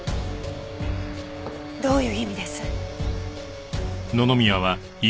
どういう意味です？